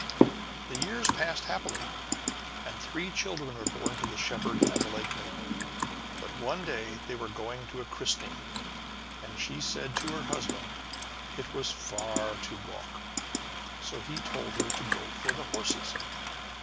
The years passed happily, and three children were born to the shepherd and the lake maiden. But one day they were going to a christening, and she said to her husband it was far to walk, so he told her to go for the horses.